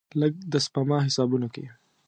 لږ، د سپما حسابونو کې